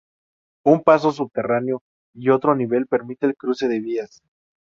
Un paso subterráneo y otro a nivel permite el cruce de vías.